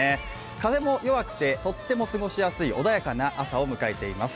風も弱くてとっても過ごしやすい穏やかな朝を迎えています。